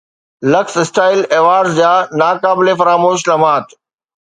luxe style awards جا ناقابل فراموش لمحات